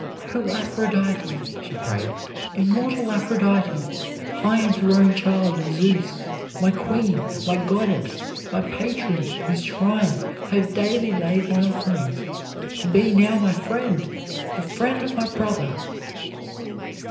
"O Aphrodite!" she prayed, "immortal Aphrodite, high enthroned child of Zeus, my queen, my goddess, my patron, at whose shrine I have daily laid my offerings, to be now my friend, the friend of my brother!"